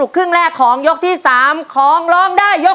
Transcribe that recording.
น้องไมโครโฟนจากทีมมังกรจิ๋วเจ้าพญา